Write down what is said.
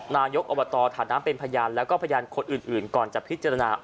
นายกอบตฐานน้ำเป็นพยานแล้วก็พยานคนอื่นก่อนจะพิจารณา